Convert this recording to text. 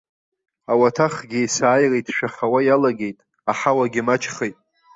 Ауаҭахгьы есааира иҭшәахауа иалагеит, аҳауагьы маҷхеит.